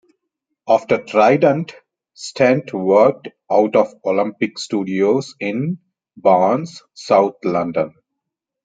After Trident, Stent worked out of Olympic Studios in Barnes, South London.